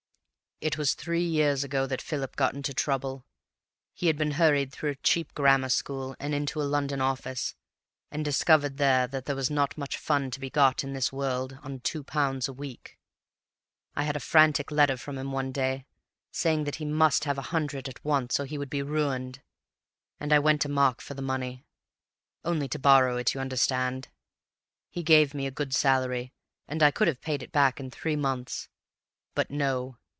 "It was three years ago that Philip got into trouble. He had been hurried through a cheap grammar school and into a London office, and discovered there that there was not much fun to be got in this world on two pounds a week. I had a frantic letter from him one day, saying that he must have a hundred at once, or he would be ruined, and I went to Mark for the money. Only to borrow it, you understand; he gave me a good salary and I could have paid it back in three months. But no.